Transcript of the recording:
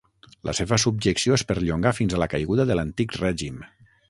La seva subjecció es perllongà fins a la caiguda de l'antic règim.